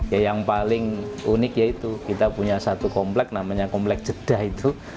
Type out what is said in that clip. ya yang paling unik yaitu kita punya satu komplek namanya komplek jeddah itu